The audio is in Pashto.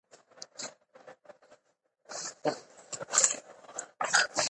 پرېکړې چې شفافې وي شکونه له منځه وړي